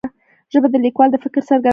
ژبه د لیکوال د فکر څرګندونه ده